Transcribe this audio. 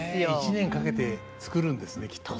１年かけて作るんですねきっと。